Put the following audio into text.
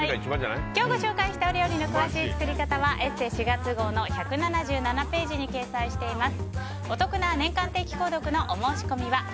今日ご紹介したお料理の詳しい作り方は「ＥＳＳＥ」４月号の１７７ページに掲載しています。